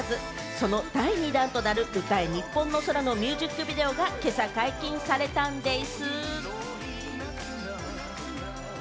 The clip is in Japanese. その第２弾となる『歌えニッポンの空』のミュージックビデオが今朝、解禁されたんでぃす。